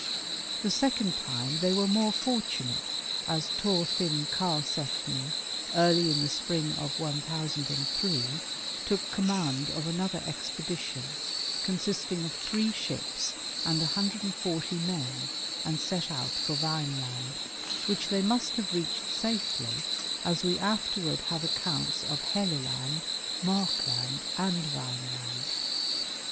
The second time they were more fortunate, as Thorfinn Karlsefni, early in the spring of 1003, took command of another expedition, consisting of three ships and 140 men, and set out for Vineland, which they must have reached safely, as we afterward have accounts of Helle land, Markland and Vineland.